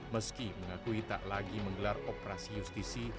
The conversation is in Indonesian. meski mengakui tak lagi menggelar operasi justisi